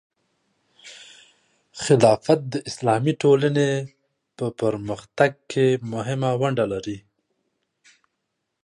خلافت د اسلامي ټولنې په پرمختګ کې مهمه ونډه لري.